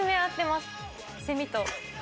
セミと。